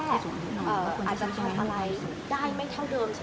อาจจะทำอะไรได้ไม่เท่าเดิมเฉย